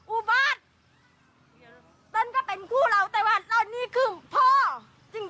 โอ้บาดอ่ะต้นก็เป็นคู่เราแต่ว่าตอนนี้คือพ่อจริง